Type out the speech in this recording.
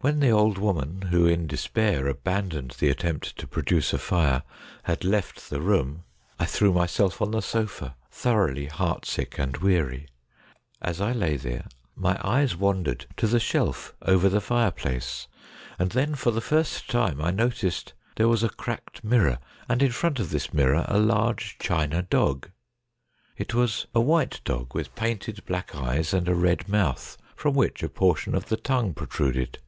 When the old woman, who in despair abandoned the attempt to produce a fire, had left the room, I threw myself on the sofa, thoroughly heart sick and weary. As I lay there, my eyes wandered to the shelf over the fireplace, and then for the first time I noticed there was a cracked mirror, and in front of this mirror a large china dog. It was a white dog, with painted black eyes and a red mouth, from which a portion of the tongue protruded.